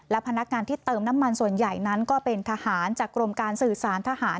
และพนักงานที่เติมน้ำมันส่วนใหญ่นั้นก็เป็นทหารจากกรมการสื่อสารทหาร